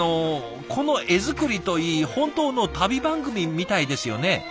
この画作りといい本当の旅番組みたいですよね。